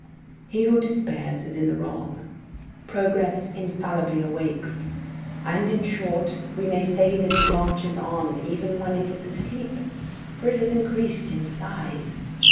He who despairs is in the wrong. Progress infallibly awakes, and, in short, we may say that it marches on, even when it is asleep, for it has increased in size.